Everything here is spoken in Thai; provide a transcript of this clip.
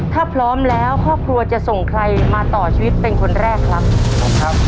ถ้าพร้อมแล้วครอบครัวจะส่งใครมาต่อชีวิตเป็นคนแรกครับ